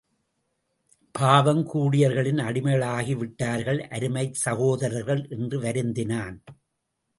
பாவம், கூர்டியர்களின் அடிமைகளாகி விட்டார்கள் அருமை சகோதரர்கள்! என்று வருந்தினான்.